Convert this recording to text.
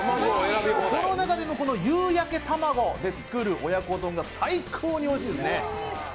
その中でも、このゆうやけ卵で作る親子丼が最高においしいですね。